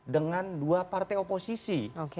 dengan dua partai oposisi